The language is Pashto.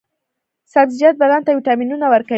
سبزیجات بدن ته ویټامینونه ورکوي.